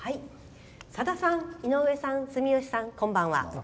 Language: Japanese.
「さださん、井上さん住吉さん、こんばんは。